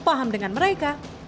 yang tidak sepaham dengan mereka